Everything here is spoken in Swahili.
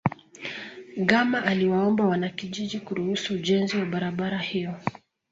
gama aliwaomba wanakijiji kuruhusu ujenzi wa barabara hiyo